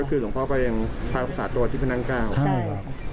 ก็คือส่งพ่อไปทางภาษาตัวที่พนักก้าว